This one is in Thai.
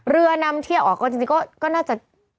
เรือนำเที่ยวออกก็จริงก็น่าจะ